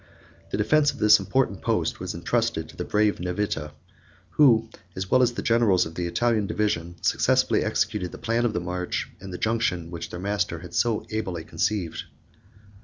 33 The defence of this important post was intrusted to the brave Nevitta; who, as well as the generals of the Italian division, successfully executed the plan of the march and junction which their master had so ably conceived.